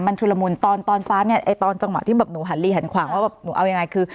มันชุดละมุนตอนฟ้าเนี่ยตอนจังหวะที่หนูหันลี่หันขวางว่าหนูเอายังไงคือ